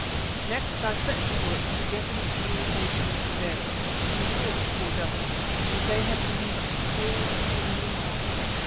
Next I set to work to get into communication with the bearers, who thought, poor devils, that they had been but sold to a new master.